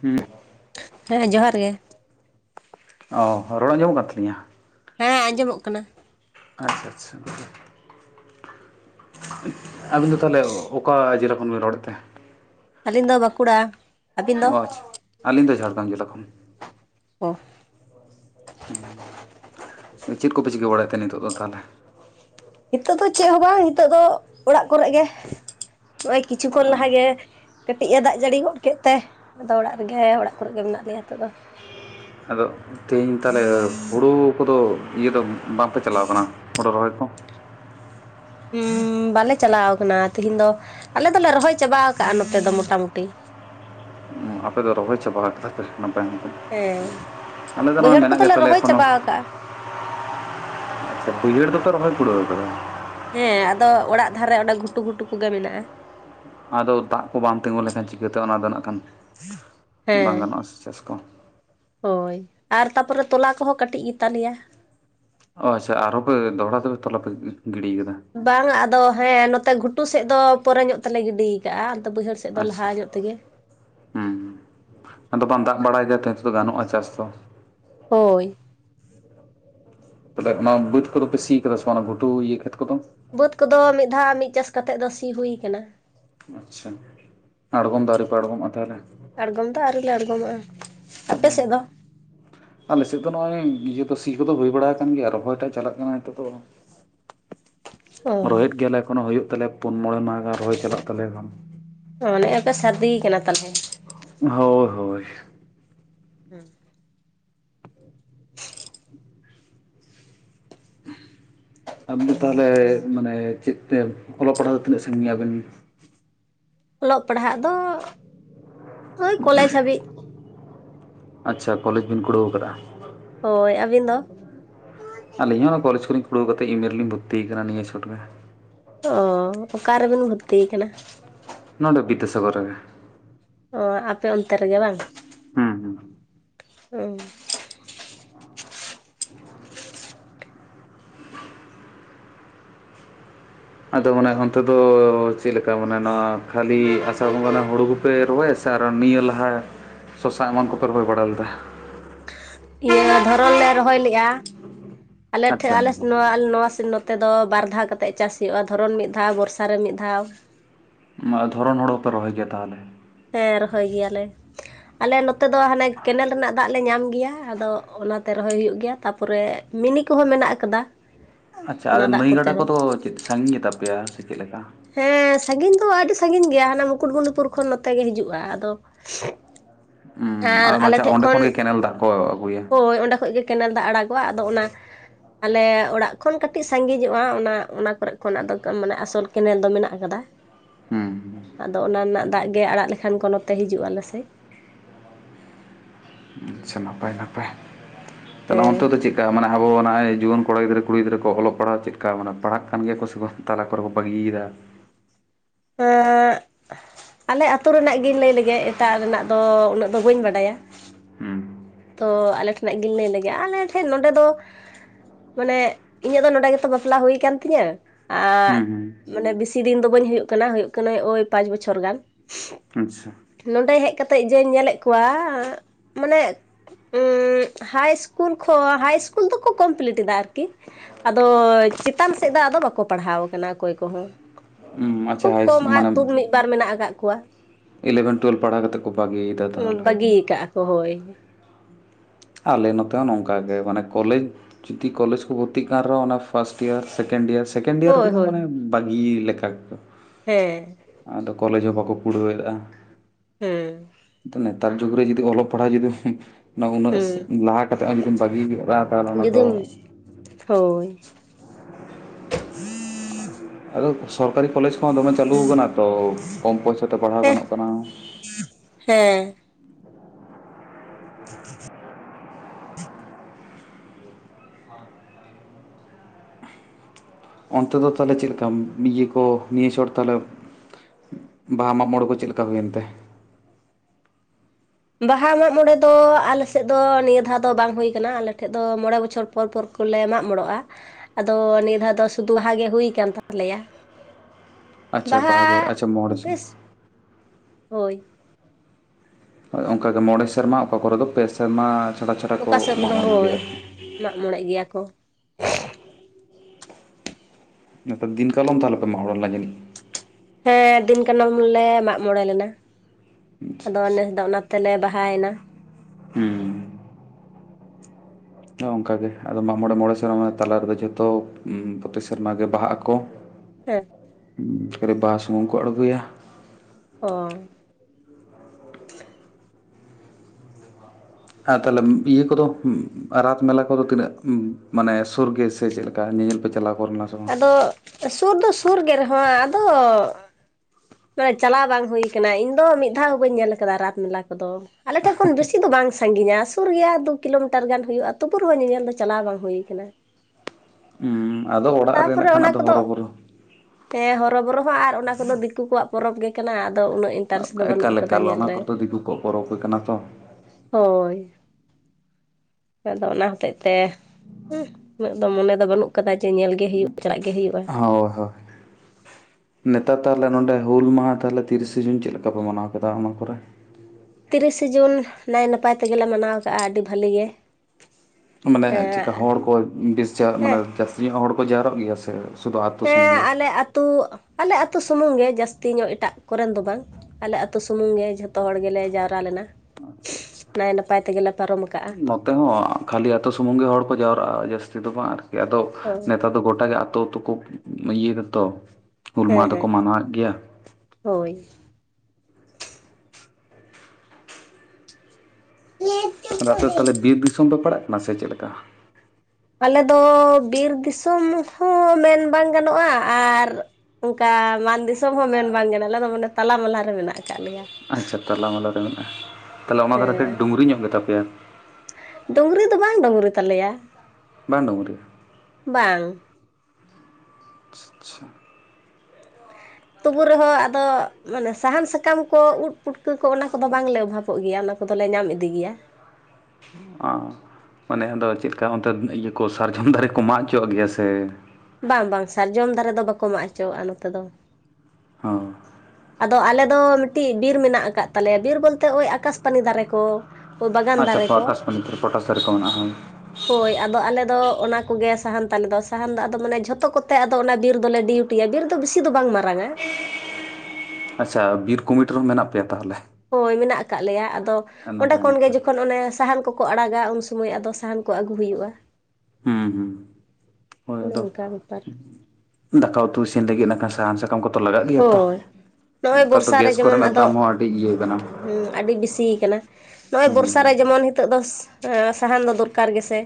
ᱦᱩᱸ᱾ ᱦᱮᱸ ᱡᱚᱦᱟᱨ ᱜᱮ ᱚ ᱦᱚ ᱨᱚᱲ ᱟᱸᱡᱚᱢᱚᱜ ᱠᱟᱱ ᱛᱟᱹᱞᱤᱧᱟ? ᱦᱮᱸ ᱟᱸᱡᱚᱢᱚᱜ ᱠᱟᱱᱟ᱾ ᱟᱪᱪᱷᱟ ᱟᱪᱪᱷᱟ ᱳᱠᱮ᱾ ᱟᱹᱵᱤᱱ ᱫᱚ ᱛᱟᱦᱚᱞᱮ ᱚᱠᱟ ᱡᱮᱞᱟ ᱠᱷᱚᱱᱵᱤᱱ ᱨᱚᱲᱮᱫ ᱛᱮ? ᱟᱹᱞᱤᱧ ᱫᱚ ᱵᱟᱸᱠᱩᱲᱟ᱾ ᱟᱹᱵᱤᱱ ᱫᱚ ᱚ ᱟᱪᱪᱷᱟ, ᱟᱹᱞᱤᱧ ᱫᱚ ᱡᱷᱟᱲᱜᱨᱟᱢ ᱡᱮᱞᱟ ᱠᱷᱚᱱ᱾ [inaudible] ᱦᱩᱸ᱾ ᱪᱮᱫ ᱠᱚᱯᱮ ᱪᱤᱠᱟᱹ ᱵᱟᱲᱟᱭᱮᱫ ᱛᱮ ᱱᱤᱛᱚᱜ ᱫᱚ ᱛᱟᱦᱚᱞᱮ? ᱦᱤᱛᱚᱜ ᱫᱚ ᱪᱮᱫ ᱦᱚᱸ ᱵᱟᱝ ᱦᱤᱛᱚᱜ ᱫᱚ ᱚᱲᱟᱜ ᱠᱚᱨᱮᱜ ᱜᱮ᱾ ᱱᱚᱜ-ᱚᱭ ᱠᱤᱪᱷᱩ ᱠᱷᱚᱱ ᱞᱟᱦᱟ ᱜᱮ ᱠᱟᱹᱴᱤᱡᱼᱮ ᱫᱟᱜ ᱡᱟᱹᱲᱤ ᱜᱚᱫ ᱠᱮᱫ ᱛᱮ ᱟᱫᱚ ᱚᱲᱟᱜ ᱨᱮᱜᱮ ᱚᱲᱟᱜ ᱠᱚᱨᱮᱜ ᱜᱮ ᱢᱮᱱᱟᱜ ᱞᱮᱭᱟ ᱦᱤᱛᱚᱜ ᱫᱚ᱾ ᱟᱫᱚ ᱛᱮᱦᱮᱧ ᱛᱟᱦᱚᱞᱮ ᱦᱩᱲᱩ ᱠᱚᱫᱚ ᱤᱭᱟᱹ ᱫᱚ ᱵᱟᱝᱯᱮ ᱪᱟᱞᱟᱣ ᱠᱟᱱᱟ ᱦᱳᱲᱳ ᱨᱚᱦᱚᱭ ᱠᱚ? ᱩᱸ ᱵᱟᱞᱮ ᱪᱟᱞᱟᱣ ᱟᱠᱟᱱᱟ ᱛᱤᱦᱤᱧ ᱫᱚ ᱟᱞᱮ ᱫᱚᱞᱮ ᱨᱚᱦᱚᱭ ᱪᱟᱵᱟᱣ ᱟᱠᱟᱜ-ᱟ ᱱᱚᱛᱮ ᱫᱚ ᱢᱚᱴᱟ ᱢᱩᱴᱤ᱾ ᱚ ᱟᱯᱮ ᱫᱚ ᱨᱚᱦᱚᱭ ᱪᱟᱵᱟᱣ ᱠᱟᱫᱟᱯᱮ᱾ ᱱᱟᱯᱟᱭ ᱦᱮᱸ ᱱᱟᱯᱟᱭ᱾ᱸᱟᱞᱮ ᱫᱚ ᱱᱚᱜᱼᱚᱭ ᱵᱟᱹᱭᱦᱟᱹᱲ ᱢᱮᱱᱟᱜ ᱜᱮ ᱠᱚᱫᱚᱞᱮ ᱛᱟᱞᱮᱭᱟ ᱨᱚᱦᱚᱭ ᱮᱠᱷᱚᱱᱳ᱾ ᱪᱟᱵᱟ ᱟᱠᱟᱜᱼᱟ ᱟᱪᱪᱷᱟ ᱵᱟᱹᱭᱦᱟᱹᱲ ᱫᱚᱯᱮ ᱨᱚᱦᱚᱭ ᱯᱩᱭᱦᱟᱹᱣ ᱟᱠᱟᱫᱟ? ᱦᱮᱸ ᱟᱫᱚ ᱚᱲᱟᱜ ᱫᱷᱟᱨᱮ ᱚᱸᱰᱮ ᱜᱷᱩᱴᱩ ᱜᱷᱩᱴᱩ ᱠᱚᱜᱮ ᱢᱮᱱᱟᱜ-ᱟ᱾ ᱟᱫᱚ ᱫᱟᱜ ᱠᱚ ᱵᱟᱝ ᱛᱤᱸᱜᱩ ᱞᱮᱠᱷᱟᱱ ᱪᱤᱠᱟᱹᱛᱮ ᱚᱱᱟ ᱫᱚ ᱱᱟᱜ ᱠᱷᱟᱱ ᱦᱮᱸ ᱵᱟᱝ ᱜᱟᱱᱚᱜ-ᱟ ᱥᱮ ᱪᱮᱥ ᱠᱚ᱾ ᱦᱳᱭ ᱟᱨ ᱛᱟᱯᱚᱨᱮ ᱛᱚᱞᱟ ᱠᱚᱦᱚᱸ ᱠᱟᱹᱴᱤᱡ ᱜᱮᱛᱟᱞᱮᱭᱟ᱾ ᱚ ᱟᱪᱪᱷᱟ ᱟᱨᱦᱚ ᱯᱮ ᱫᱚᱦᱲᱟ ᱛᱮᱯᱮ ᱛᱚᱞᱟ ᱯᱮ ᱜᱤᱲᱤᱭ ᱠᱟᱫᱟ? ᱵᱟᱝ ᱟᱫᱚ ᱦᱮᱸ ᱱᱚᱛᱮ ᱜᱷᱩᱴᱩ ᱥᱮᱫ ᱫᱚ ᱯᱚᱨᱮ ᱧᱚᱜ ᱛᱮᱞᱮ ᱜᱤᱰᱤᱭ ᱠᱟᱜ-ᱟ, ᱚᱱᱛᱮ ᱵᱟᱹᱭᱦᱟᱹᱲ ᱥᱮᱫ ᱥᱮᱫ ᱫᱚ ᱞᱟᱦᱟ ᱟᱪᱪᱷᱟ ᱧᱚᱜ ᱛᱮᱜᱮ᱾ ᱦᱩᱸ ᱦᱩᱸ᱾ ᱟᱫᱚ ᱵᱟᱝ ᱫᱟᱜ ᱵᱟᱲᱟᱭ ᱫᱟᱭ ᱛᱚ ᱦᱤᱛᱚᱜ ᱫᱚ ᱜᱟᱱᱚᱜ-ᱟ ᱪᱟᱥ ᱠᱚ᱾ ᱦᱳᱭ᱾ ᱛᱟᱞᱦᱮ ᱚᱱᱟ ᱵᱟᱹᱫᱽ ᱠᱚᱫᱚ ᱯᱮ ᱥᱤᱭ ᱠᱟᱫᱟ ᱥᱮ ᱵᱟᱝ ᱚᱱᱟ ᱜᱩᱴᱩ ᱤᱭᱟᱹᱠᱷᱮᱛ ᱠᱚᱫᱚ? ᱵᱟᱹᱫᱽ ᱠᱚᱫᱚ ᱢᱤᱫ ᱫᱷᱟᱣ ᱢᱤᱫ ᱪᱟᱥ ᱠᱟᱛᱮᱫ ᱫᱚ ᱥᱤ ᱦᱩᱭ ᱠᱟᱱᱟ᱾ ᱟᱪᱷᱟ᱾ ᱟᱬᱜᱚᱢ ᱫᱚ ᱟᱣᱨᱤ ᱯᱮ ᱟᱬᱜᱚᱢᱚᱜ-ᱟ ᱛᱟᱦᱚᱞᱮ? ᱟᱬᱜᱚᱢ ᱫᱚ ᱟᱹᱣᱨᱤ ᱞᱮ ᱟᱬᱜᱚᱢᱚᱜ-ᱟ᱾ ᱟᱯᱮ ᱥᱮᱫ ᱫᱚ? ᱟᱞᱮᱥᱮᱫ ᱫᱚ ᱱᱚᱜ-ᱚᱭ ᱤᱭᱟᱹ ᱫᱚ ᱥᱤ ᱠᱚᱫᱚ ᱦᱳᱭ ᱵᱟᱲᱟ ᱟᱠᱟᱱ ᱜᱮᱭᱟ, ᱨᱚᱦᱚᱭᱴᱟᱜ ᱪᱟᱞᱟᱜ ᱠᱟᱱᱟ ᱦᱤᱛᱚᱜ ᱫᱚ ᱵᱚᱨᱚᱝ᱾ ᱚ ᱨᱚᱦᱚᱭᱮᱫ ᱜᱮᱭᱟᱞᱮ ᱮᱠᱷᱚᱱᱳ ᱦᱳᱭᱩᱜ ᱛᱟᱞᱮᱭᱟ ᱯᱩᱱ ᱢᱚᱬᱮ ᱢᱟᱦᱟ ᱜᱟᱱ ᱨᱚᱦᱚᱭ ᱪᱟᱞᱟᱜ ᱛᱟᱞᱮᱭᱟ ᱮᱠᱷᱚᱱ᱾ ᱚ ᱱᱮᱜ-ᱮ ᱯᱮ ᱥᱟᱨᱫᱤᱭ ᱠᱟᱱᱟ ᱛᱟᱞᱦᱮ᱾ ᱦᱳᱭ ᱦᱳᱭ᱾ [inaudible] ᱟᱵ ᱫᱚ ᱛᱟᱦᱚᱞᱮ ᱢᱟᱱᱮ ᱪᱮᱫ ᱛᱮ ᱚᱞᱚᱜ ᱯᱟᱲᱦᱟᱣ ᱫᱚ ᱛᱤᱱᱟᱹᱜ ᱥᱟᱺᱜᱤᱧ ᱜᱮ ᱟᱵᱮᱱ ᱚᱞᱚᱜ ᱯᱟᱲᱦᱟᱜ ᱫᱚ ᱳᱭ ᱠᱚᱞᱮᱡᱽ ᱦᱟᱹᱵᱤᱡ᱾ ᱟᱪᱪᱷᱟ ᱠᱚᱞᱮᱡᱽ ᱵᱤᱱ ᱠᱩᱲᱟᱹᱣ ᱟᱠᱟᱫᱟ᱾ ᱦᱳᱭ, ᱟᱹᱵᱤᱱ ᱫᱚ? ᱟᱹᱞᱤᱧ ᱦᱚᱸ ᱚᱱᱟ ᱠᱚᱞᱡᱽ ᱠᱚᱞᱤᱧ ᱠᱩᱲᱟᱹᱣ ᱠᱟᱛᱮᱫ ᱮᱢ ᱮ ᱨᱮᱞᱤᱧ ᱞᱤᱧ ᱵᱷᱛᱛᱤᱭ ᱠᱟᱱᱟ ᱱᱤᱭᱟᱹᱪᱷᱚᱴ ᱜᱮ᱾ ᱚ ᱚᱠᱟᱨᱮ ᱵᱤᱱ ᱵᱷᱩᱛᱛᱤᱭ ᱟᱠᱟᱱᱟ? ᱱᱚᱰᱮ ᱵᱤᱫᱫᱟᱥᱟᱜᱚᱨ ᱨᱮᱜᱮ᱾ ᱚ ᱟᱯᱮ ᱚᱱᱛᱮ ᱨᱮᱜᱮ ᱵᱟᱝ᱾ ᱦᱮᱸ ᱦᱮᱸ᱾ ᱩᱸᱻ ᱟᱫᱚ ᱢᱟᱱᱮ ᱚᱱᱛᱮ ᱫᱚᱻ ᱪᱮᱫ ᱞᱮᱠᱟ ᱢᱟᱱᱮ ᱱᱚᱣᱟ ᱠᱷᱟᱹᱞᱤ ᱟᱥᱟᱲ ᱵᱚᱸᱜᱟ ᱨᱮ ᱦᱩᱲᱩ ᱠᱚ ᱯᱮ ᱨᱚᱦᱚᱭᱟ ᱥᱮ, ᱟᱨ ᱱᱤᱭᱟᱹ ᱞᱟᱦᱟ ᱥᱚᱥᱟ ᱮᱢᱟᱱ ᱠᱚᱯᱮ ᱨᱚᱦᱚᱭ ᱵᱟᱲᱟ ᱞᱮᱫᱟ? ᱤᱭᱟᱹ ᱫᱷᱚᱨᱚᱱ ᱞᱮ ᱨᱚᱦᱚᱭ ᱞᱮᱫ-ᱟ᱾ ᱟᱞᱮ ᱴᱷᱮᱡ ᱟᱪᱪᱷᱟ ᱟᱞᱮ ᱱᱚᱣᱟ ᱱᱚᱣᱟ ᱱᱚ ᱛᱮ ᱫᱚ ᱵᱟᱨ ᱫᱷᱟᱣ ᱠᱟᱛᱮᱫ ᱪᱟᱥ ᱦᱩᱭᱩᱜ-ᱟ, ᱫᱷᱚᱨᱚᱱ ᱢᱤᱫ ᱰᱷᱟᱣ ᱵᱚᱨᱥᱟ ᱨᱮ ᱢᱤᱫ ᱫᱷᱟᱣ᱾ ᱢᱟᱜ ᱫᱷᱚᱨᱚᱱ ᱦᱚᱲ ᱦᱚᱸᱯᱮ ᱨᱚᱦᱚᱭ ᱜᱮᱭᱟ ᱛᱟᱦᱚᱞᱮ? ᱦᱮᱸᱻ ᱨᱚᱦᱚᱭ ᱜᱮᱭᱟᱞᱮ᱾ ᱟᱞᱮ ᱱᱚᱛᱮ ᱫᱚ ᱦᱟᱱᱮ ᱠᱮᱱᱮᱞ ᱨᱮᱱᱟᱜ ᱫᱟᱜ ᱞᱮ ᱧᱟᱢ ᱜᱮᱭᱟ, ᱟᱫᱚ ᱚᱱᱟᱛᱮ ᱨᱚᱦᱚᱭ ᱦᱩᱭᱩᱜ ᱜᱮᱭᱟ ᱛᱟᱯᱚᱨᱮ ᱢᱤᱱᱤ ᱠᱚᱦᱚᱸ ᱢᱮᱱᱟᱜ ᱟᱠᱟᱫᱟ᱾ ᱟᱪᱷᱟ ᱟᱨ ᱚᱱᱟ ᱫᱟᱜ ᱱᱟᱹᱭ ᱠᱚᱛᱮ ᱜᱟᱰᱟ ᱦᱚᱸ ᱠᱚᱫᱚ ᱪᱮᱫ ᱥᱟᱺᱜᱤᱧ ᱜᱮᱛᱟ ᱯᱮᱭᱟ ᱥᱮ ᱪᱮᱫᱮ ᱞᱮᱠᱟ? ᱦᱮᱸᱻ ᱥᱟᱺᱜᱤᱧ ᱫᱚ ᱟᱹᱰᱤ ᱥᱟᱺᱜᱤᱧ ᱜᱮᱭᱟ, ᱦᱟᱱᱟ ᱢᱩᱠᱩᱴᱵᱩᱱᱤᱯᱩᱨ ᱠᱷᱚᱱ ᱱᱚᱛ ᱛᱮ ᱜᱮ ᱦᱤᱡᱩᱜᱼᱟ ᱟᱫᱚ ᱦᱩᱸ ᱟᱨ ᱟᱞᱮ ᱢᱟᱪᱷᱟ ᱴᱷᱮᱡ ᱚᱸᱰᱮ ᱠᱷᱚᱱ, ᱜᱮ ᱠᱮᱱᱮᱞ ᱫᱟᱜ ᱠᱚ ᱟᱹᱜᱩᱭᱟ ᱦᱳᱭ ᱚᱸᱰᱮ ᱠᱷ ᱜᱮ ᱠᱮᱱᱮᱞ ᱫᱟᱜ ᱟᱲᱟᱜᱚᱜᱼᱟ ᱟᱫᱚ ᱚᱱᱟ ᱟᱞᱮ ᱚᱲᱟᱜ ᱠᱷᱚᱱ ᱠᱟᱹᱴᱤᱡ ᱥᱟᱺᱜᱤᱧᱚᱜᱼᱟ, ᱚᱱᱟ ᱚᱱᱟ ᱠᱚᱨᱮ ᱠᱷᱚᱱ ᱟᱫᱚ ᱢᱟᱱᱮ ᱟᱥᱚᱞ ᱠᱮᱱᱮᱞ ᱫᱚ ᱢᱮᱱᱟᱜ ᱟᱠᱟᱫᱟ᱾ ᱦᱩᱸ ᱟᱫᱚ ᱚᱱᱟ ᱨᱮᱱᱟᱜ ᱫᱟᱜ ᱜᱮ ᱟᱲᱟᱜ ᱞᱮᱠᱷᱟᱱ ᱠᱚ ᱱᱚᱛᱮ ᱦᱤᱡᱩᱜ-ᱟᱞᱮ ᱥᱮ᱾ ᱟᱪᱷᱟ ᱱᱟᱯᱟᱭ ᱱᱟᱯᱟᱭ᱾ ᱛᱟᱦᱚᱞᱮ ᱫᱚ ᱦᱮᱸ ᱪᱮᱫ ᱢᱟᱱᱮ ᱟᱵᱚ ᱱᱚᱸᱜ-ᱚᱭ ᱡᱩᱣᱟᱹᱱ ᱠᱚᱲᱟ ᱜᱤᱫᱽᱟᱹ ᱠᱩᱲᱤ ᱜᱤᱫᱽᱨᱟᱹ ᱠᱚ ᱚᱞᱚᱜ ᱯᱟᱲᱦᱟᱣ ᱪᱮᱫ ᱠᱟ ᱢᱟᱱᱮ ᱯᱟᱲᱦᱟᱜ ᱠᱟᱱ ᱜᱮᱭᱟ ᱠᱚ ᱥᱮ ᱵᱟᱝ? ᱛᱟᱞᱟ ᱠᱚᱨᱮ ᱠᱚ ᱵᱟᱹᱜᱤᱭᱮᱫᱟ᱾ ᱮᱸᱻ ᱦᱮᱸᱜ᱾ ᱟᱞᱮ ᱟᱹᱛᱩ ᱨᱮᱱᱟᱜ ᱜᱮᱧ ᱞᱟᱹᱭ ᱞᱮᱜᱮ, ᱮᱴᱟᱜ ᱨᱮᱱᱟᱜ ᱫᱚ ᱩᱱᱟᱹᱜ ᱫᱚ ᱵᱟᱹᱧ ᱵᱟᱰᱟᱭᱟ᱾ ᱦᱩᱸ ᱛᱚ ᱟᱞᱮ ᱴᱷᱮᱱᱟᱜ ᱜᱤᱧ ᱞᱟᱹᱭ ᱞᱮᱜᱮ, ᱟᱞᱮ ᱴᱷᱮᱱ ᱱᱚᱰᱮ ᱫᱚ ᱢᱟᱱᱮᱜ ᱤᱧᱟᱹᱜ ᱫᱚ ᱱᱚᱰᱮ ᱜᱮᱛᱚ ᱵᱟᱯᱞᱟ ᱦᱩᱭ ᱟᱠᱟᱱ ᱛᱤᱧᱟᱹ᱾ ᱟᱨ ᱦᱩᱸ ᱢᱟᱱᱮ ᱵᱮᱥᱤ ᱫᱤᱱ ᱫᱚ ᱵᱟᱹᱧ ᱦᱩᱭᱩᱜ ᱠᱟᱱᱟ ᱦᱩᱭᱩᱜ ᱠᱟᱱᱟᱹ ᱳᱭ ᱯᱟᱸᱪ ᱵᱚᱪᱷᱚᱨ ᱜᱟᱱ᱾ ᱟᱪᱪᱷᱟ᱾ ᱱᱚᱸᱰᱮ ᱦᱮᱡ ᱠᱟᱛᱮᱜ ᱡᱮᱧ ᱧᱮᱞᱮᱫ ᱠᱚᱣᱟᱻ ᱢᱟᱱᱮ ᱩᱸᱻᱦᱟᱭ ᱤᱥᱠᱩᱞ ᱠᱚ ᱦᱟᱭ ᱤᱥᱠᱩᱞ ᱫᱚᱠᱚ ᱠᱚᱢᱯᱞᱤᱤᱴ ᱮᱫᱟ ᱟᱨᱠᱤ᱾ ᱠᱤ ᱟᱫᱚᱻ ᱪᱮᱛᱟᱱ ᱥᱮᱫ ᱫᱚ ᱟᱫᱚ ᱵᱟᱠᱚ ᱯᱟᱲᱦᱟᱣ ᱠᱟᱱᱟ ᱚᱠᱚᱭ ᱠᱚᱦᱚᱸ᱾ ᱦᱩᱸ ᱟᱪᱪᱷᱟ ᱠᱷᱩᱵ ᱦᱟᱭ ᱠᱚᱢ ᱟᱜ ᱢᱟᱱᱮ ᱛᱩᱫ ᱢᱤᱫᱵᱟᱨ ᱢᱮᱱᱟᱜ ᱟᱠᱟᱫ ᱠᱚᱣᱟ᱾ ᱤᱞᱮᱵᱷᱮᱱ ᱴᱩᱭᱮᱞᱵᱷ ᱯᱟᱲᱦᱟᱣ ᱠᱟᱛᱮᱫ ᱠᱚ ᱵᱟᱹᱜᱤᱭᱮᱫᱟ ᱛᱟᱦᱚᱞᱮ᱾ ᱤᱭ ᱜᱠᱟᱼᱟ ᱾ ᱦᱳᱦᱳᱣᱟᱭ ᱢᱮ᱾ ᱟᱞᱮ ᱱᱚᱛᱮ ᱦᱚᱸ ᱱᱚᱝᱠᱟ ᱜᱮ᱾ ᱢᱟᱱᱮ ᱠᱚᱞᱮᱡᱽ ᱡᱩᱫᱤ ᱠᱚᱞᱮᱡᱽ ᱠᱚ ᱵᱷᱚᱨᱛᱤᱜ ᱠᱟᱱ ᱨᱮᱦᱚᱸ ᱚᱱᱟ first year, second year second year ᱦᱳᱭ ᱛᱮᱫᱚ ᱢᱟᱱᱮ ᱵᱟᱹᱜᱤᱻ ᱞᱮᱠᱟ ᱜᱮ᱾ ᱦᱮᱸᱻ ᱟᱫᱚ ᱠᱚᱞᱮᱡᱽ ᱦᱚᱸ ᱵᱟᱠᱚ ᱯᱩᱨᱟᱹᱣᱮᱫ-ᱟ, ᱦᱮᱸ ᱱᱮᱛᱟᱨ ᱡᱩᱜᱽ ᱨᱮ ᱡᱩᱫᱤ ᱚᱞᱚᱜ ᱯᱟᱲᱦᱟᱣ ᱡᱩᱫᱤ ᱩᱱᱟᱹᱜ ᱦᱮᱸ ᱞᱟᱦᱟ ᱠᱟᱛᱮ ᱦᱚᱸ ᱡᱩᱫᱤᱢ ᱵᱟᱹᱜᱤᱣᱚᱜ-ᱟ ᱛᱟᱦᱚᱞᱮ ᱚᱱᱟ ᱫᱚᱻ ᱦᱳᱭᱻ᱾ [inaudible] ᱟᱫᱚ ᱥᱚᱨᱠᱟᱨᱤ ᱠᱚᱞᱮᱡᱽ ᱠᱚᱦᱚᱸ ᱫᱚᱢᱮ ᱪᱟᱞᱩ ᱟᱠᱟᱱᱟ ᱛᱚᱻ ᱠᱚᱢ ᱯᱚᱭᱥᱟ ᱛᱮ ᱯᱟᱲᱦᱟᱣ ᱜᱟᱱᱚᱜ ᱠᱟᱱᱟᱻ ᱦᱮᱸᱻ [inaudible] ᱚᱱᱛᱮ ᱫᱚ ᱛᱟᱦᱚᱞᱮ ᱪᱮᱫ ᱞᱮᱠᱟ ᱤᱭᱟᱹ ᱠᱚ ᱱᱤᱭᱟᱹ ᱪᱷᱚᱴ ᱛᱟᱦᱚᱞᱮ ᱵᱟᱦᱟ ᱢᱟᱜ ᱢᱚᱬᱮ ᱠᱚ ᱪᱮᱫ ᱞᱮᱠᱟ ᱦᱳᱭᱮᱱ ᱛᱮ? ᱵᱟᱦᱟ ᱢᱟᱜ ᱢᱚᱬᱮ ᱫᱚ ᱟᱞᱮ ᱥᱮᱫ ᱫᱚ ᱱᱤᱭᱟᱹ ᱫᱷᱟᱣ ᱫᱚ ᱵᱟᱝ ᱦᱳᱭ ᱟᱠᱟᱱᱟ ᱟᱞᱮ ᱴᱷᱮᱡ ᱫᱚ ᱢᱚᱬᱮ ᱵᱚᱪᱷᱚᱨ ᱯᱚᱨ ᱯᱚᱨ ᱠᱚᱞᱮ ᱢᱟᱜ ᱢᱚᱬᱚᱜ-ᱟ ᱾ ᱟᱫᱚ ᱱᱤᱭᱟᱹ ᱫᱷᱟᱣ ᱫᱚ ᱥᱩᱫᱩ ᱵᱟᱦᱟ ᱜᱮ ᱦᱩᱭ ᱠᱟᱱ ᱛᱟᱞᱮᱭᱟ ᱾ ᱟᱪᱪᱷᱟ ᱜᱮ ᱵᱟᱦᱟ ᱟᱪᱪᱷᱟ ᱢᱚᱬᱮ ᱥᱮᱨᱢᱟ ᱵᱮᱥ ᱦᱳᱭ, ᱦᱳᱭ ᱚᱝᱠᱟ ᱜᱮ ᱢᱚᱬᱮ ᱥᱮᱨᱢᱟ ᱚᱠᱟ ᱠᱚᱨᱮ ᱫᱚ ᱯᱮ ᱥᱮᱨᱢᱟ ᱪᱷᱟᱰᱟ ᱪᱷᱟᱰᱟ ᱠᱚ ᱚᱠᱟ ᱥᱮᱫ ᱢᱟᱜ ᱨᱮᱫᱚ ᱢᱚᱬᱮ ᱦᱳᱭ ᱜᱮᱭᱟ ᱟᱨ ᱠᱤ᱾ ᱢᱟᱜ ᱢᱚᱬᱮ ᱜᱮᱭᱟ ᱠᱚ, ᱱᱮᱛ ᱫᱤᱱ ᱠᱟᱞᱚᱢ ᱛᱟᱦᱚᱞᱮ ᱢᱟᱜ ᱢᱚᱬᱮ ᱞᱮᱱᱟ ᱡᱟᱹᱱᱤᱡ? ᱦᱮᱸ, ᱫᱤᱱ ᱠᱟᱞᱚᱢ ᱞᱮ ᱢᱟᱜ ᱢᱚᱬᱮ ᱞᱮᱱᱟ, ᱟᱪᱪᱷᱟ ᱟᱫᱚ ᱟᱪᱪᱷᱟ, ᱱᱮᱥ ᱫᱚ ᱚᱱᱟ ᱛᱮᱞᱮ ᱵᱟᱦᱟᱭᱮᱱᱟ ᱾ ᱦᱩᱸ, ᱦᱮᱸ ᱚᱝᱠᱟ ᱜᱮ ᱟᱫᱚ ᱢᱟᱜ ᱢᱚᱬᱮ ᱢᱚᱬᱮ ᱥᱮᱨᱢᱟ ᱛᱟᱞᱟ ᱨᱮᱫᱚ ᱡᱷᱚᱛᱚ ᱯᱨᱚᱛᱤ ᱥᱮᱨᱢᱟ ᱜᱮ ᱵᱟᱦᱟᱜ ᱟᱠᱚ, [unintelligible] ᱦᱮᱸ, ᱠᱷᱟᱹᱞᱤ ᱵᱟᱦᱟ ᱥᱩᱢᱩᱝ ᱠᱚ ᱟᱬᱜᱚᱭᱟ ᱾ ᱚᱻ ᱟᱨ ᱛᱟᱦᱚᱞᱮ ᱤᱭᱟᱹ ᱠᱚ ᱫᱚ ᱨᱟᱛ ᱢᱮᱞᱟ ᱠᱚ ᱫᱚ ᱛᱤᱱᱟᱹᱜ ᱥᱳᱨ ᱜᱮ ᱥᱮ ᱪᱮᱫ ᱞᱮᱠᱟ ᱧᱮᱧᱮᱞ ᱯᱮ ᱪᱟᱞᱟᱣ ᱜᱚᱫᱱᱟ? ᱟᱫᱚ ᱥᱩᱨ ᱫᱚ ᱥᱩᱨ ᱜᱮ ᱨᱮᱦᱚᱸ ᱟᱫᱚ ᱢᱟᱱᱮ ᱪᱟᱞᱟᱣ ᱵᱟᱝ ᱦᱳᱭ ᱟᱠᱟᱱᱟ, ᱤᱧ ᱫᱚ ᱢᱤᱫ ᱫᱷᱟᱣ ᱦᱚᱸ ᱵᱟᱹᱧ ᱧᱮᱞ ᱟᱠᱟᱫᱟ ᱨᱟᱛ ᱢᱮᱞᱟ ᱠᱚ ᱫᱚ᱾ ᱟᱞᱮ ᱴᱷᱮᱱ ᱠᱷᱚᱱ ᱵᱤᱥᱤ ᱫᱚ ᱵᱟᱝ ᱥᱟᱺᱜᱤᱧᱟ, ᱥᱩᱨ ᱜᱮᱭᱟ ᱫᱩ ᱠᱤᱞᱳᱢᱤᱴᱟᱨ ᱜᱟᱱ ᱦᱩᱭᱩᱜᱼᱟ, ᱛᱩᱵᱩ ᱨᱮ ᱦᱚᱸ ᱧᱮᱧᱮᱞ ᱫᱚ ᱪᱟᱞᱟᱣ ᱵᱟᱝ ᱦᱩᱭ ᱟᱠᱟᱱᱟ᱾ ᱦᱩᱸ, ᱟᱫᱚ ᱚᱲᱟᱜ ᱨᱮ ᱱᱟᱜ ᱛᱟᱯᱚᱨᱮ ᱠᱷᱟᱱ ᱚᱱᱟ ᱟᱫᱚ ᱠᱚᱫᱚ ᱦᱚᱨᱚᱵᱚᱨᱚ᱾ ᱦᱮᱸ ᱦᱚᱨᱚᱵᱚᱨᱚ ᱦᱚᱸ ᱟᱨ ᱚᱱᱟ ᱠᱚ ᱫᱚ ᱫᱤᱠᱩ ᱠᱚᱣᱟᱜ ᱯᱚᱨᱚᱵᱽ ᱜᱮ ᱠᱟᱱᱟ ᱟᱫᱚ ᱩᱱᱟᱹᱜ ᱤᱱᱴᱟᱨᱮᱥᱴ ᱫᱚ ᱵᱟᱹᱱᱩᱜ ᱮᱠᱟᱞ ᱟᱠᱟᱫᱟ ᱮᱠᱟᱞ ᱧᱮᱞ ᱚᱱᱟ ᱨᱮ ᱠᱚᱨᱮ ᱫᱚ ᱫᱤᱠᱩ ᱠᱚ ᱯᱚᱨᱚᱵᱽ ᱠᱟᱱᱟ ᱛᱚ᱾ ᱦᱳᱭ, ᱟᱫᱚ ᱚᱱᱟ ᱦᱚᱛᱮᱜ ᱛᱮ ᱩᱸ ᱩᱱᱟᱹᱜ ᱫᱚ ᱢᱚᱱᱮ ᱫᱚ ᱵᱟᱹᱱᱩᱜ ᱠᱟᱫᱟ ᱡᱮ ᱧᱮᱞ ᱜᱮ ᱦᱩᱭᱩᱜ ᱪᱟᱞᱟᱜ ᱜᱮ ᱦᱩᱭᱩᱜᱼᱟ ᱾ ᱦᱳᱭ ᱦᱳᱭ ᱱᱮᱛᱟᱨ ᱛᱟᱦᱚᱞᱮ ᱱᱚᱸᱰᱮ ᱦᱩᱞ ᱢᱟᱦᱟ ᱛᱟᱦᱚᱞᱮ ᱛᱤᱨᱤᱥᱮ ᱡᱩᱱ ᱪᱮᱫ ᱞᱮᱠᱟ ᱯᱮ ᱢᱟᱱᱟᱣ ᱠᱮᱫᱟ ᱚᱱᱟ ᱠᱚᱨᱮ? ᱛᱤᱨᱤᱥᱮ ᱡᱩᱱ ᱱᱟᱭ ᱱᱟᱯᱟᱭ ᱛᱮ ᱜᱮ ᱞᱮ ᱢᱟᱱᱟᱣ ᱟᱠᱟᱜᱼᱟ ᱟᱹᱰᱤ ᱵᱷᱟᱹᱞᱮ ᱜᱮ᱾ ᱢᱟᱱᱮ ᱪᱮᱠᱟ ᱦᱮᱸ ᱦᱚᱲ ᱠᱚ ᱵᱤᱥ ᱡᱟ ᱦᱮᱸ ᱢᱟᱱᱮ ᱡᱟᱹᱥᱛᱤ ᱧᱚᱜ ᱦᱚᱲ ᱠᱚ ᱡᱨᱣᱚᱜ ᱜᱮᱭᱟ ᱥᱮ, ᱥᱩᱫᱷᱩ ᱟᱹᱛᱳ ᱥᱩᱢᱩᱝ ᱜᱮ? ᱛᱳ, ᱟᱞᱮ ᱟᱹᱛᱳ ᱥᱩᱢᱩᱝ ᱜᱮ ᱡᱟᱹᱥᱛᱤ ᱧᱚᱜ ᱮᱴᱟᱜ ᱠᱚᱨᱮᱱ ᱫᱚ ᱵᱟᱝ, ᱟᱞᱮ ᱟᱹᱛᱳ ᱥᱩᱢᱩᱝ ᱜᱮ ᱡᱷᱚᱛᱚ ᱦᱚᱲ ᱜᱮ ᱞᱮ ᱡᱟᱣᱨᱟ ᱞᱮᱱᱟ ᱟᱪᱪᱷᱟ ᱾ ᱱᱟᱭ-ᱱᱟᱯᱟᱭ ᱛᱮ ᱜᱮ ᱞᱮ ᱯᱟᱨᱚᱢ ᱠᱟᱜᱼᱟ ᱾ ᱛᱮ ᱦᱚᱸ ᱠᱷᱟᱹᱞᱤ ᱟᱛᱳ ᱥᱩᱢᱩᱝ ᱜᱮ ᱦᱚᱲ ᱠᱚ ᱡᱟᱣᱨᱟᱜᱼᱟ ᱡᱟᱹᱥᱛᱤ ᱫᱚ ᱵᱟᱝ ᱟᱨᱠᱤ᱾ ᱟᱫᱚ ᱚ ᱱᱮᱛᱟᱨ ᱫᱚ ᱜᱚᱴᱟ ᱜᱮ ᱟ ᱟᱹᱛᱳ ᱟᱹᱛᱳ ᱠᱚ ᱤᱭᱟᱹᱭᱫᱟ ᱛᱚ᱾ ᱦᱩᱞ ᱦᱮᱸ ᱢᱟᱦᱟ ᱫᱚ ᱠᱚ ᱦᱮᱸ ᱢᱟᱱᱟᱣ ᱮᱫ ᱜᱮᱭᱟ᱾ ᱦᱳᱭ, [unintelligible] ᱢᱟᱱᱮ ᱟᱯᱮ ᱛᱟᱦᱚᱞᱮ ᱵᱤᱨ ᱫᱤᱥᱚᱢ ᱯᱮ ᱯᱟᱲᱟᱜ ᱠᱟᱱᱟ ᱥᱮ ᱪᱮᱫ ᱞᱮᱠᱟ? ᱟᱞᱮ ᱫᱚ ᱵᱤᱨ ᱫᱤᱥᱚᱢ ᱦᱚᱸ ᱢᱮᱱ ᱵᱟᱝ ᱜᱟᱱᱚᱜᱼᱟ, ᱟᱨ ᱚᱝᱠᱟ ᱢᱟᱱ ᱫᱤᱥᱚᱢ ᱦᱚᱸ ᱢᱮᱱ ᱵᱟᱝ ᱜᱟᱱᱚᱜ-ᱟ ᱟᱞᱮ ᱫᱚ ᱢᱟᱱᱮ ᱛᱟᱞᱟ ᱢᱟᱞᱟ ᱨᱮ ᱢᱮᱱᱟᱜ ᱟᱠᱟᱫ ᱞᱮᱭᱟ ᱾ ᱟᱪᱪᱷᱟ ᱛᱟᱞᱟ ᱢᱟᱞᱟ ᱨᱮ ᱢᱮᱱᱟᱜᱼᱟ, ᱛᱟᱦᱚᱞᱮ ᱚᱱᱟ ᱫᱷᱟᱨᱟ ᱠᱟᱹᱡ ᱦᱮᱸ ᱰᱩᱝᱨᱤ ᱧᱚᱜ ᱜᱮᱛᱟ ᱯᱮᱭᱟ? ᱰᱩᱝᱨᱤ ᱫᱚ ᱵᱟᱝ ᱰᱩᱝᱨᱤ ᱛᱟᱞᱮᱭᱟ ᱾ ᱵᱟᱝᱰᱩᱝᱨᱤ᱾ ᱵᱟᱝ᱾ ᱟᱪᱪᱷᱟ, ᱟᱪᱪᱷᱟ᱾ ᱛᱚᱵᱩ ᱨᱮᱦᱚᱸ ᱟᱫᱚ, ᱢᱟᱱᱮ ᱥᱟᱦᱟᱱ ᱥᱟᱠᱟᱢ ᱠᱚ ᱩᱫ ᱯᱩᱴᱠᱟᱹ ᱠᱚ ᱚᱱᱟ ᱠᱚᱫᱚ ᱵᱟᱝᱞᱮ ᱚᱵᱷᱟᱵ- ᱠᱚᱜ ᱜᱮᱭᱟ, ᱚᱱᱟ ᱠᱚᱫᱚᱞᱮ ᱧᱟᱢ ᱤᱫᱤ ᱜᱮᱭᱟ᱾ ᱚ ᱢᱟᱱᱮ ᱟᱫᱚ ᱪᱮᱫᱠᱟ ᱚᱱᱛᱮ ᱤᱭᱟᱹ ᱠᱚ, ᱥᱟᱨᱡᱚᱢ ᱫᱟᱨᱮ ᱠᱚ ᱢᱟᱜ ᱦᱚᱪᱚᱣᱟᱜ ᱜᱮᱭᱟ ᱥᱮ? ᱵᱟᱝ ᱵᱟᱝ, ᱥᱟᱨᱡᱚᱢ ᱫᱟᱨᱮ ᱫᱚ ᱵᱟᱠᱚ ᱢᱟᱜ ᱦᱚᱪᱚᱣᱟᱜᱼᱟ ᱱᱚᱛᱮ ᱫᱚ᱾ ᱦᱩᱸ᱾ ᱟᱫᱚ ᱟᱞᱮ ᱫᱚ ᱢᱤᱫᱴᱤᱡ ᱵᱤᱨ ᱢᱮᱱᱟᱜ ᱟᱠᱟᱫ ᱛᱟᱞᱮᱭᱟ, ᱵᱤᱨ ᱵᱚᱞᱛᱮ ᱳᱭ ᱟᱠᱟᱥᱯᱟᱱᱤ ᱫᱟᱨᱮ ᱠᱚ᱾ ᱳᱭ ᱵᱟᱜᱟᱱ ᱟᱪᱪᱷᱟ, ᱫᱟᱨᱮ ᱠᱚ ᱯᱷᱚᱨᱠᱟᱥᱯᱟᱱᱤᱛ ᱨᱮ ᱯᱳᱚᱴᱟᱥ ᱫᱟᱨᱤ ᱠᱚ ᱢᱮᱱᱟᱜᱼᱟ ᱦᱳᱭ᱾ ᱦᱳᱭ ᱟᱫᱚ ᱟᱞᱮ ᱫᱚ ᱚᱱᱟ ᱠᱚᱜᱮ ᱥᱟᱦᱟᱱ ᱛᱟᱞᱮ ᱫᱚ, ᱥᱟᱦᱟᱱ ᱫᱚ ᱟᱫᱚ ᱢᱟᱱᱮ ᱡᱷᱚᱛᱚ ᱠᱚᱛᱮ ᱟᱫᱚ ᱚᱱᱟ ᱵᱤᱨ ᱫᱚᱞᱮ ᱰᱤᱭᱩᱴ- -ᱴᱤᱭᱟ ᱵᱤᱨ ᱫᱚ ᱵᱤᱥᱤ ᱫᱚ ᱵᱟᱝ ᱢᱟᱨᱟᱝᱟ᱾ ᱟᱪᱪᱷᱟ, ᱵᱤᱨ ᱠᱚᱢᱤᱴᱤ ᱨᱮᱚᱸ ᱢᱮᱱᱟᱜ ᱯᱮᱭᱟ ᱛᱟᱦᱚᱞᱮ? ᱦᱳᱭ ᱢᱮᱱᱟᱜ ᱟᱠᱟᱫ ᱞᱮᱭᱟ, ᱟᱫᱚ ᱚᱸᱰᱮ ᱱᱟᱯᱟᱭ ᱠᱷᱚᱱᱜᱮ ᱱᱟᱯᱟᱭ ᱡᱚᱠᱷᱚᱱ ᱚᱱᱮ ᱥᱟᱦᱟᱱ ᱠᱚ -ᱠᱚ ᱟᱲᱟᱜᱟ ᱩᱱ ᱥᱩᱢᱚᱭ ᱟᱫᱚ ᱥᱟᱦᱟᱱ ᱠᱚ ᱟᱹᱜᱩ ᱦᱩᱭᱩᱜᱼᱟ᱾ ᱦᱩᱸ ᱦᱩᱸ ᱦᱳᱭ ᱚᱱᱮ ᱟᱫᱚ ᱚᱱᱠᱟ ᱵᱮᱯᱟᱨ ᱫᱟᱠᱟ ᱩᱛᱩ ᱤᱥᱤᱱ ᱞᱟᱹᱜᱤᱫ, ᱱᱟᱜ ᱠᱷᱟᱱ ᱥᱟᱦᱟᱱ ᱥᱟᱠᱟᱢ ᱠᱚᱛ ᱞᱟᱜᱟᱜ ᱜᱮᱭᱟ ᱛᱚ᱾ ᱦᱳᱭ ᱱᱚᱜᱼᱚᱭ ᱱᱮᱛᱟᱨ ᱫᱚ ᱵᱚᱨᱥᱟ ᱨᱮ ᱜᱮᱥ ᱡᱮᱢᱚᱱ ᱠᱚᱨᱮᱱᱟᱜ ᱟᱫᱚ, ᱫᱟᱢ ᱦᱚᱸ ᱟᱹᱰᱤ ᱤᱭᱟᱹ ᱠᱟᱱᱟ ᱟᱹᱰᱤ ᱵᱮᱥᱤᱭᱟ ᱠᱟᱱᱟ᱾ ᱱᱚᱜᱼᱚᱭ ᱦᱩᱸ ᱵᱚᱨᱥᱟ ᱨᱮ ᱡᱮᱢᱚᱱ ᱱᱤᱛᱳᱜ ᱫᱚ, ᱥᱟᱦᱟᱱ ᱫᱚ ᱫᱚᱨᱠᱟᱨ ᱜᱮᱥᱮ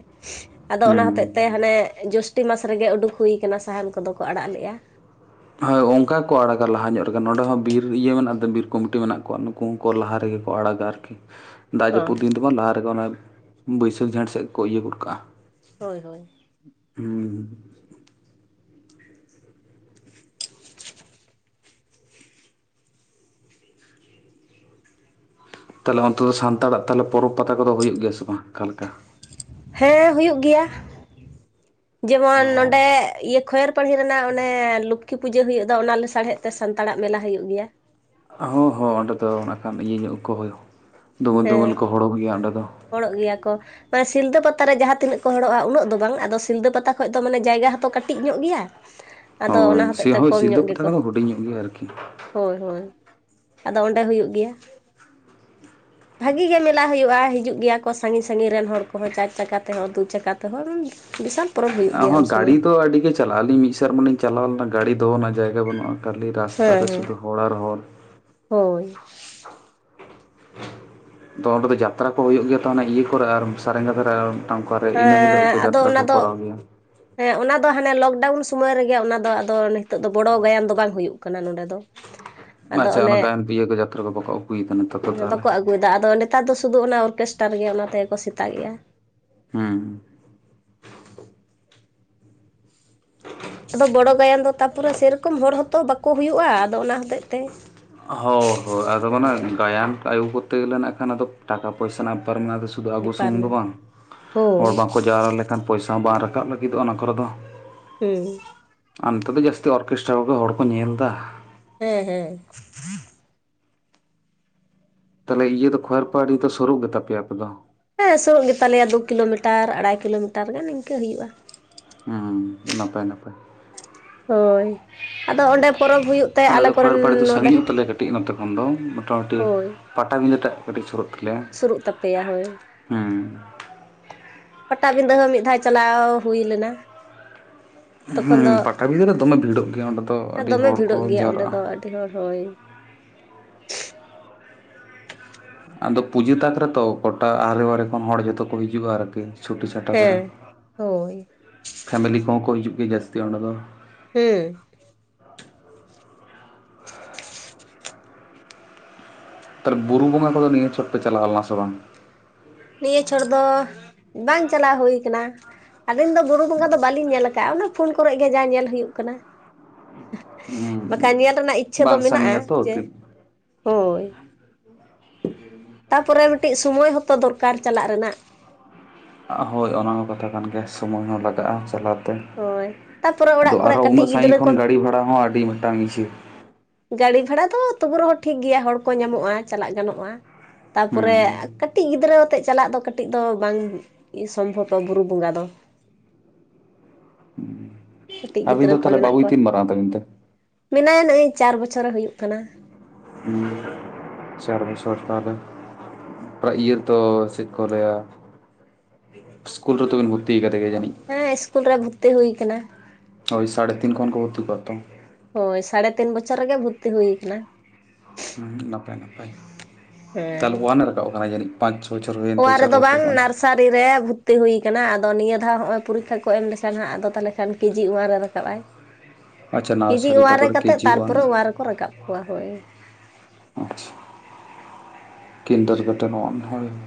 ᱟᱫᱚ ᱚᱱᱟ ᱦᱩᱸ ᱦᱚᱛᱮᱡ ᱛᱮ ᱦᱟᱱᱮ ᱡᱚᱥᱴᱤ ᱢᱟᱥ ᱨᱮᱜᱮ ᱩᱰᱩᱠ ᱦᱩᱭᱠᱟᱱᱟ, ᱥᱟᱦᱟᱱ ᱠᱚᱫᱚ ᱠᱚ ᱟᱲᱟᱜ ᱞᱮᱫᱼᱟ᱾ ᱦᱳᱭ ᱚᱱᱠᱟ ᱠᱚ ᱟᱲᱟᱜᱟ ᱞᱟᱦᱟ ᱧᱚᱜ ᱨᱮᱜᱮ, ᱱᱚᱸᱰᱮ ᱦᱚᱸ ᱵᱤᱨ ᱤᱭᱟᱹ ᱢᱮᱱᱟᱜ ᱫᱚ ᱵᱤᱨ ᱠᱚᱢᱤᱴᱤ ᱢᱮᱱᱟᱜ ᱠᱚᱣᱟ ᱱᱩᱠ ᱩᱠᱩ ᱠᱚ ᱞᱟᱦᱟ ᱨᱮᱜᱮ ᱠᱚ ᱟᱲᱟᱜᱟ ᱟᱨᱠᱤ᱾ ᱫᱟᱜ ᱚ ᱡᱟᱹᱯᱩᱫ ᱫᱤᱱ ᱵᱟᱝ, ᱞᱟᱦᱟ ᱨᱮᱜᱮ ᱚᱱᱟ ᱵᱟᱹᱭᱥᱟᱹᱠᱷ ᱡᱷᱮᱸᱴ ᱥᱮᱫ ᱠᱚ ᱤᱭᱟᱹ ᱜᱚᱫ ᱠᱟᱜᱼᱟ᱾ ᱦᱳᱭ, ᱦᱳᱭ᱾ ᱦᱩᱸ᱾ ᱛᱟᱦᱚᱞᱮ ᱚᱱᱛᱮ ᱫᱚ ᱥᱟᱱᱛᱟᱲᱟᱜ ᱛᱟᱞᱚᱞᱮ, ᱯᱚᱨᱚᱵᱽ ᱯᱟᱛᱟ ᱠᱚᱫᱚ ᱦᱩᱭᱩᱜ ᱜᱮᱭᱟ ᱵᱟᱝ ᱚᱠᱟᱮᱠᱟ? ᱦᱮᱸ ᱦᱩᱭᱩᱜ ᱜᱮᱭᱟ, ᱡᱮᱢᱚᱱ ᱚ ᱱᱚᱸᱰᱮ ᱤᱭᱟᱹ ᱠᱷᱮᱨ ᱯᱟᱹᱲᱦᱤ ᱨᱮᱱᱟᱜ ᱚᱱᱮ ᱞᱚᱠᱠᱷᱤ ᱯᱩᱡᱟᱹ ᱦᱩᱭᱩ ᱫᱚ ᱚᱱᱟ ᱞᱟᱥᱟᱲᱦᱮᱫ ᱛᱮ ᱥᱟᱱᱛᱟᱲᱟᱜ ᱢᱮᱞᱟ ᱦᱩᱭᱩᱜ ᱜᱮᱭᱟ᱾ ᱦᱚᱸ ᱦᱚᱸ ᱚᱸᱰᱮ ᱫᱚ ᱠᱷᱟᱱ ᱤᱭᱟᱹ ᱧᱚᱜ ᱦᱚᱭ ᱫᱩᱢᱮᱞ ᱦᱮᱸ ᱫᱩᱢᱮᱞ ᱠᱚ ᱦᱚᱲᱚᱨᱚᱜ ᱜᱮᱭᱟ ᱚᱸᱰᱮ ᱫᱚ᱾ ᱦᱚᱲᱚᱜ ᱜᱮᱭᱟ ᱠᱚ᱾ ᱢᱟᱱᱮ ᱥᱤᱞᱫᱟᱹ ᱯᱟᱛᱟ ᱨᱮ ᱡᱟᱦᱟᱸ ᱛᱤᱱᱟᱹᱜ ᱠᱚ ᱦᱚᱲᱚᱜᱼᱟ ᱩᱱᱟᱹᱜ ᱫᱚ ᱵᱟᱝ᱾ ᱟᱫᱚ ᱥᱤᱞᱫᱟᱹ ᱯᱟᱛᱟ ᱠᱷᱚᱱ ᱫᱚ ᱢᱟᱱᱮ ᱡᱟᱭᱜᱟ ᱦᱚᱸᱛᱚ ᱠᱟᱹᱴᱤᱡ ᱧᱚᱜ ᱜᱮᱭᱟ᱾ ᱟᱫᱚ ᱚᱱᱟ ᱦᱳᱭ, ᱦᱚᱛᱮᱡ ᱥᱮ ᱛᱮ ᱦᱳ ᱠᱚᱢ ᱥᱤᱞᱫᱟᱹ ᱧᱚᱜ ᱯᱟᱛᱟᱷᱟ ᱜᱮᱠᱚ ᱠᱷᱚᱱᱫᱚ, ᱦᱩᱰᱤᱧ ᱜᱮᱭᱟ ᱟᱨᱠᱤ᱾ ᱦᱳᱭ ᱦᱳᱭ, ᱟᱫᱚ ᱚᱸᱰᱮ ᱦᱩᱭᱩᱜ ᱜᱮᱭᱟ᱾ ᱵᱷᱟᱹᱜᱤ ᱜᱮ ᱢᱮᱞᱟ ᱦᱩᱭᱩᱜᱼᱟ, ᱦᱤᱡᱩᱜ ᱜᱮᱭᱟ ᱠᱚ ᱥᱟᱺᱜᱤᱧ ᱥᱟᱺᱜᱤᱧ ᱨᱮᱱ ᱦᱚᱲ ᱠᱚᱦᱚᱸ, ᱪᱟᱨ ᱪᱟᱠᱟ ᱛᱮᱦᱚᱸ ᱫᱩ ᱪᱟᱠᱟ ᱛᱮᱦᱚᱸ, ᱵᱤᱥᱟᱞ ᱯᱚᱨᱚᱵᱽ ᱦᱩᱭᱩᱜ ᱜᱮᱭᱟ ᱦᱚᱸ, ᱩᱱ ᱜᱟᱹᱲᱤ ᱥᱚᱢᱚᱭ ᱛᱚ ᱟᱹᱰᱤ ᱜᱮᱪ- ᱪᱟᱞᱟᱜᱼᱟ ᱟᱹᱞᱤᱧ ᱢᱤᱫ ᱥᱮᱨᱢᱟ ᱞᱤᱧ ᱪᱟᱞᱟᱣ ᱞᱮᱱᱟ, ᱜᱟᱹᱰᱤ ᱫᱚᱦᱚᱱᱟᱜ ᱡᱟᱭᱜᱟ ᱵᱟᱹᱱᱩᱜᱟ ᱠᱷᱟᱹᱞᱤ ᱨᱟᱥᱛᱟ ᱨᱮ ᱦᱮᱸ ᱦᱮᱸ ᱥᱩᱫᱷᱩ ᱦᱚᱲ ᱟᱨ ᱦᱚᱲ᱾ ᱦᱳᱭ᱾ ᱛᱚ ᱚᱸᱰᱮ ᱫᱚ ᱡᱟᱛᱨᱟ ᱠᱚ ᱦᱩᱭᱩᱜ ᱜᱮᱭᱟ ᱛᱚ ᱦᱮᱱᱟ ᱤᱭᱟᱹᱠᱚᱨᱮ ᱟᱨ ᱥᱟᱨᱜᱟ ᱫᱷᱟᱨ᱾ ᱴᱷᱟᱸᱣ ᱠᱚᱨᱮ ᱤᱱᱟᱹ ᱦᱤᱞᱳᱜ ᱦᱮᱸ ᱠᱚ ᱟᱫᱚ ᱡᱟᱛᱨᱟ ᱚᱱᱟ ᱠᱚ ᱫᱚ ᱠᱚᱨᱟᱣ ᱜᱮᱭᱟ᱾ ᱦᱮᱸ ᱚᱱᱟ ᱫᱚ ᱦᱟᱱᱮ ᱞᱚᱠᱰᱟᱣᱩᱱ ᱥᱩᱢᱚᱭ ᱨᱮᱜᱮ ᱚᱱᱟᱫᱚ ᱟᱫᱚ ᱱᱤᱛᱚᱜ ᱫᱚ, ᱵᱚᱲᱚ ᱜᱟᱭᱟᱱ ᱫᱚ ᱵᱟᱝ ᱦᱩᱭᱩᱜ ᱠᱟᱱᱟ ᱱᱚᱸᱰᱮ ᱫᱚ᱾ ᱟᱫᱚ ᱟᱪᱪᱷᱟ, ᱚᱱᱮ ᱚᱱᱟ ᱜᱟᱭᱟᱱ ᱤᱭᱟᱹ ᱠᱚ ᱡᱟᱛᱨᱟ ᱠᱚ ᱵᱟᱠᱚ ᱩᱜᱩᱭᱮᱫᱟ ᱱᱮᱛᱟᱨ ᱫᱚ ᱛᱟᱦᱚᱞᱮ᱾ ᱟᱹᱜᱩᱭᱫᱟ ᱟᱫᱚ ᱱᱮᱛᱟᱨ ᱫᱚ ᱥᱩᱫᱩ ᱚᱱᱟ ᱚᱨᱠᱮᱥᱴᱟᱨ ᱜᱮ, ᱚᱱᱟ ᱛᱮᱜᱮᱠᱚ ᱥᱮᱛᱟᱜᱮᱜᱼᱟ᱾ ᱦᱩᱸ, ᱟᱫᱚ ᱵᱚᱲᱚ ᱜᱟᱭᱟᱱ ᱫᱚ, ᱛᱟᱨᱯᱚᱨᱮ ᱥᱮᱨᱚᱠᱚᱢ ᱦᱚᱲ ᱦᱚᱛᱚ ᱵᱟᱠᱚ ᱦᱩᱭᱩᱜᱼᱟ, ᱟᱫᱚ ᱚᱱᱟ ᱦᱚᱛᱮᱜ ᱛᱮ᱾ ᱦᱳᱭ ᱦᱳᱭ ᱟᱫᱚ ᱢᱟᱱᱮ, ᱜᱟᱭᱟᱱ ᱟᱹᱭᱩ ᱠᱚᱨᱛᱮ ᱜᱮᱞᱮ ᱱᱟᱦᱟᱜ ᱠᱷᱟᱱ ᱟᱫᱚ ᱴᱟᱠᱟ ᱯᱚᱭᱥᱟ ᱨᱮᱱᱟᱜ ᱵᱮᱯᱟᱨ ᱢᱮᱱᱟᱜᱟ ᱛᱚ ᱥᱩᱫᱩ ᱟᱵᱚ ᱵᱮᱯᱟᱨ ᱥᱩᱢᱩᱝ ᱫᱚ ᱢᱮᱱᱟᱜᱼᱟ ᱵᱟᱝ ᱦᱚᱲ ᱦᱳᱭ ᱵᱟᱝᱠᱚ ᱡᱟᱣᱨᱟ ᱞᱮᱠᱷᱟᱱ ᱯᱚᱭᱥᱟ ᱵᱟᱝ ᱨᱟᱠᱟᱵ ᱞᱟᱹᱜᱤᱫᱚᱜᱼᱟ ᱚᱱᱟ ᱠᱚᱨᱮ ᱫᱚ᱾ ᱦᱩᱸ᱾ ᱟᱨ ᱱᱚᱛᱮ ᱫᱚ ᱡᱟᱹᱥᱛᱤ ᱚᱨᱠᱮᱥᱴᱨᱟ ᱠᱚᱜᱮ ᱦᱚᱲ ᱠᱚ ᱧᱮᱞ ᱫᱟ᱾ ᱦᱮᱸ ᱦᱮᱸ᱾ ᱛᱟᱦᱞᱮ ᱤᱭᱟᱹ ᱫᱚ ᱠᱷᱚᱭᱮᱨᱯᱟᱷᱟᱲᱤ ᱫᱚ ᱥᱳᱨᱳᱜ ᱜᱮᱛᱟ ᱯᱮᱭᱟ ᱟᱯᱮ ᱫᱚ? ᱦᱮᱸ ᱥᱩᱨᱩᱜ ᱜᱮᱛᱟᱞᱮᱭᱟ ᱫᱩ ᱠᱤᱞᱳᱢᱤᱴᱟᱨ ᱟᱲᱟᱭ ᱠᱤᱞᱳᱢᱤᱴᱟᱨ ᱜᱟᱱ ᱤᱱᱠᱟᱹ ᱦᱩᱭᱩᱜᱼᱟ᱾ ᱦᱩᱸ ᱱᱟᱯᱟᱭ ᱱᱟᱯᱟᱭ᱾ ᱦᱳᱭ ᱟᱫᱚ ᱚᱸᱰᱮ ᱯᱚᱨᱚᱵᱽ ᱦᱩᱭᱩᱜ ᱛᱮ ᱟᱞᱮ ᱫᱚ ᱠᱚᱨᱮᱱ ᱠᱷᱚᱭᱮᱨᱯᱟᱲᱤ ᱫᱚ ᱱᱚᱰᱮ ᱥᱟᱺᱜᱤᱧ ᱧᱚᱜ ᱛᱟᱞᱮᱭᱟ ᱠᱟᱹᱴᱤᱡ ᱱᱚᱛᱮ ᱠᱷᱚᱱ ᱫᱚ ᱢᱳᱴᱟᱢᱩᱴᱤ ᱦᱳᱭ ᱯᱟᱴᱟᱵᱤᱸᱫᱷᱟᱹ ᱴᱟᱜ ᱠᱟᱹᱴᱤᱡ ᱥᱩᱨᱩᱜ ᱛᱟᱞᱮᱭᱟ᱾᱾ ᱥᱩᱨᱩᱜ ᱛᱟᱯᱮᱭᱟ ᱦᱳᱭ ᱦᱩᱸ᱾ ᱯᱟᱴᱟᱵᱤᱱᱫᱟᱹ ᱦᱚᱸ ᱢᱤᱫ ᱫᱷᱟᱣ ᱪᱟᱞᱟᱣ ᱦᱩᱭ ᱞᱮᱱᱟ᱾ ᱛᱚᱠᱷᱚᱱ ᱦᱩᱸ ᱫᱚ ᱯᱟᱴᱟᱵᱤᱸᱫᱷᱟᱹ ᱨᱮ ᱫᱚᱢᱮ ᱵᱷᱤᱲᱚᱜ ᱜᱮᱭᱟ ᱚᱸᱰᱮ ᱫᱚ ᱟᱹᱰᱤ ᱦᱚᱲ ᱠᱚ ᱡᱟᱣᱨᱟᱜ-ᱟ᱾ ᱟᱰᱤ ᱦᱚᱲ ᱦᱚᱭ᱾ ᱟᱫᱚ ᱯᱩᱡᱟᱹ ᱛᱟᱠ ᱨᱮᱛᱚ ᱜᱚᱴᱟ ᱟᱦᱞᱮ ᱵᱟᱦᱨᱮ ᱠᱷᱚᱱ ᱦᱚᱲ ᱡᱷᱚᱛᱚ ᱠᱚ ᱦᱤᱡᱩᱜᱼᱟ ᱟᱨᱠᱤ᱾ ᱪᱷᱩᱴᱤ ᱪᱷᱟᱴᱟ ᱠᱚᱨᱮ, ᱦᱮᱸ ᱦᱳᱭ ᱯᱷᱮᱢᱮᱞᱤ ᱠᱚᱦᱚᱸ ᱠᱚ ᱦᱤᱡᱩᱜ ᱜᱮᱭᱟ ᱡᱟᱹᱥᱛᱤ ᱚᱸᱰᱮ ᱫᱚ᱾ ᱦᱩᱸ᱾ ᱛᱟᱦᱞᱮ ᱵᱩᱨᱩ ᱵᱚᱸᱜᱟ ᱠᱚᱫᱚ ᱱᱤᱭᱟᱹ ᱪᱷᱚᱴ ᱯᱮ ᱪᱟᱞᱟᱣ ᱞᱮᱱᱟ ᱥᱮ ᱵᱟᱝ? ᱱᱤᱭᱟᱹ ᱪᱷᱚᱴ ᱫᱚ ᱵᱟᱝ ᱪᱟᱞᱟᱣ ᱦᱩᱭ ᱠᱟᱱᱟ, ᱟᱹᱞᱤᱧ ᱫᱚ ᱵᱩᱨᱩ ᱵᱚᱸᱜᱟ ᱫᱚ ᱵᱟᱹᱞᱤᱧ ᱧᱮᱞ ᱠᱟᱜ ᱚᱱᱟ ᱯᱷᱳᱱ ᱠᱚᱨᱮᱜ ᱜᱮ ᱡᱟ ᱧᱮᱞ ᱦᱩᱭᱩᱜ ᱠᱟᱱᱟ᱾ ᱦᱩᱸ ᱵᱟᱠᱷᱟᱱ ᱧᱮᱞ ᱨᱮᱱᱟᱜ ᱤᱪᱪᱷᱟᱹ ᱫᱚ ᱵᱟᱝ ᱢᱮᱱᱟᱜᱼᱟ ᱥᱟᱺᱜᱤᱧᱟ ᱛᱚ ᱡᱮ, ᱛᱤᱱ ᱦᱳᱭ [inaudible] ᱛᱟᱯᱚᱨᱮ ᱢᱤᱫᱴᱤᱡ ᱥᱩᱢᱚᱭ ᱦᱚᱛᱚ ᱫᱚᱨᱠᱟᱨ ᱪᱟᱞᱟᱜ ᱨᱮᱱᱟᱜ᱾ ᱦᱳᱭ ᱚᱱᱟ ᱦᱚᱸ ᱠᱟᱛᱷᱟ ᱠᱟᱱ ᱜᱮᱭᱟ ᱥᱳᱢᱳᱭ ᱦᱚᱸ ᱞᱟᱜᱟᱜᱼᱟ ᱪᱟᱞᱟᱣ ᱦᱳᱭ ᱛᱟᱯᱚᱨᱮ ᱟᱫᱚ ᱚᱲᱟᱜ ᱠᱚᱨᱮ ᱟᱨᱚ ᱩᱱᱟᱹᱜ ᱠᱟᱹᱴᱤᱡ ᱥᱟᱺᱜᱤᱧ ᱜᱤᱫᱽᱨᱟᱹ ᱠᱷᱚᱱ ᱠᱚ ᱜᱟᱹᱲᱤ ᱵᱷᱟᱲᱟ ᱦᱚᱸ ᱟᱹᱰᱤ ᱢᱤᱫᱴᱟᱝ ᱤᱪᱷᱟᱹ ᱜᱟᱹᱲᱤ ᱵᱷᱟᱲᱟ ᱫᱚ ᱛᱚᱵᱩ ᱨᱮᱦᱚᱸ ᱴᱷᱤᱠ ᱜᱮᱭᱟ ᱦᱚᱲ ᱠᱚ ᱧᱟᱢᱚᱜᱼᱟ ᱪᱟᱞᱟᱜ ᱜᱟᱱᱚᱜᱼᱟ᱾ ᱛᱟᱯᱚᱨᱮ ᱦᱮᱸ ᱠᱟᱹᱴᱤᱡ ᱜᱤᱫᱽᱨᱟᱹ ᱟᱛᱮ ᱪᱟᱞᱟᱜ ᱫᱚ ᱠᱟᱹᱴᱤᱡ ᱠᱟᱹᱴᱤᱡ ᱫᱚ ᱵᱟᱝ ᱥᱚᱢᱵᱷᱚᱵᱼᱵᱟ ᱵᱩᱨᱩ ᱵᱚᱸᱜᱟ ᱫᱚ᱾ ᱠᱟᱹᱴᱤᱡ ᱟᱹᱵᱤᱱ ᱜᱤᱫᱽᱨᱟᱹ ᱫᱚ ᱠᱚ ᱛᱟᱦᱞᱮ ᱢᱮᱱᱟᱜ ᱵᱟᱵᱩᱭ ᱠᱚᱣᱟ ᱛᱤᱱ ᱢᱟᱨᱟᱝ ᱛᱟᱹᱵᱤᱱ ᱛᱮ? ᱢᱮᱱᱟᱭᱟ ᱱᱚᱜᱼᱚᱭ ᱪᱟᱨ ᱵᱚᱪᱷᱚᱨᱮ ᱦᱩᱭᱩᱜ ᱠᱟᱱᱟ᱾ ᱦᱩᱸ ᱪᱟᱨ ᱵᱚᱪᱷᱚᱨ ᱛᱟᱦᱞᱮ ᱾ ᱤᱭᱟᱹ ᱛᱚ ᱪᱮᱫ ᱠᱚ ᱞᱟᱹᱭᱟ? ᱤᱥᱠᱩᱞ ᱨᱮᱫᱚ ᱵᱤᱱ ᱵᱷᱚᱨᱛᱤ ᱠᱟᱫᱮᱜᱮᱭᱟ ᱡᱟᱹᱱᱤᱡ? ᱦᱮᱸ ᱤᱥᱠᱩᱞ ᱨᱮ ᱵᱷᱚᱨᱛᱤ ᱦᱩᱭ ᱠᱟᱱᱟ᱾ ᱦᱳᱭ ᱥᱟᱲᱮ ᱛᱤᱱ ᱠᱷᱚᱱ ᱠᱚ ᱵᱷᱚᱨᱛᱤ ᱠᱚᱣᱟ ᱛᱚ᱾ ᱦᱳᱭ ᱥᱟᱲᱮ ᱛᱤᱱ ᱵᱚᱪᱷᱚᱨ ᱨᱮᱜᱮ ᱵᱷᱚᱨᱛᱤ ᱦᱩᱭ ᱠᱟᱱᱟ ᱾ ᱦᱩᱸ ᱱᱟᱯᱟᱭ ᱱᱟᱯᱟᱭ, ᱦᱮᱸ ᱛᱟᱦᱞᱮ ᱚᱭᱟᱱᱮ ᱨᱟᱠᱟᱵ ᱠᱟᱱᱟ ᱡᱟᱹᱱᱤᱡ? ᱯᱟᱸᱪᱽ ᱪᱷᱚ ᱵᱚᱪᱷᱚᱨ ᱦᱩᱭᱮᱱ ᱛᱟᱭᱟ ᱪᱟᱨ ᱵᱚᱪᱷᱚᱨ ᱠᱷᱚᱱ ᱾ ᱥᱟᱨᱤᱨᱮ ᱵᱷᱚᱨᱛᱤ ᱦᱩᱭ ᱠᱟᱱᱟ ᱟᱫᱚ ᱱᱤᱭᱟᱹ ᱫᱷᱟᱣ ᱦᱚᱸᱜᱼᱚᱭ ᱯᱚᱨᱤᱠᱷᱟ ᱠᱚ ᱮᱢ ᱞᱮᱠᱷᱟᱱ ᱦᱟᱸᱜ ᱟᱫᱚ ᱛᱟᱦᱞᱮ ᱠᱷᱟᱱ ᱠᱮᱡᱤ ᱚᱣᱟᱱ ᱨᱮ ᱨᱟᱠᱟᱵ-ᱟᱭ᱾ ᱟᱪᱪᱷᱟ ᱱᱟᱨᱥᱟᱨᱤ ᱛᱟᱨᱯᱚᱨ ᱠᱟᱛᱮᱫ ᱠᱮᱡᱤ ᱚᱣᱟᱱ᱾ ᱛᱟᱨᱯᱚᱨᱮ ᱨᱮᱠᱚ ᱨᱟᱠᱟᱵ ᱠᱚᱣᱟ ᱦᱳᱭ ᱟᱪᱪᱷᱟ, ᱠᱤᱱᱴᱟᱨ ᱠᱟᱴᱟ ᱚᱱ ᱦᱳᱭ ᱾